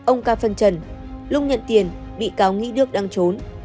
ông ca phân trần lúc nhận tiền bị cáo nghĩ đức đang trốn